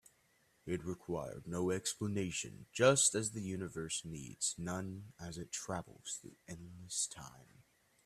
It required no explanation, just as the universe needs none as it travels through endless time.